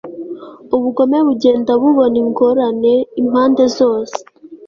ubugome bugenda bubona ingorane impande zose